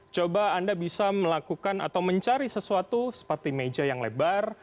coba anda bisa melakukan atau mencari sesuatu seperti meja yang lebar